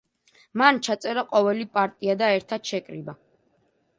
მან ჩაწერა ყოველი პარტია და ერთად შეკრიბა.